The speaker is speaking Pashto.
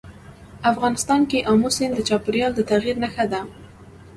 افغانستان کې آمو سیند د چاپېریال د تغیر نښه ده.